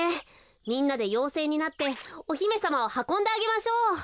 みんなでようせいになっておひめさまをはこんであげましょう。